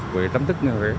với tâm thức người huế